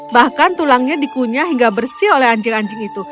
bahkan tulangnya dikunyah hingga bersih oleh anjing anjing itu